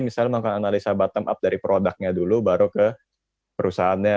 misalnya melakukan analisa bottom up dari produknya dulu baru ke perusahaannya